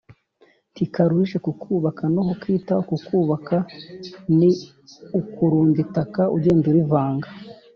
ntikaruhije kukubaka no kukitaho. kukubaka ni ukurunda itaka ugenda urivanga